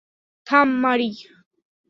থাম, মারি।